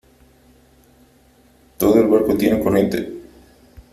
todo el barco tiene corriente .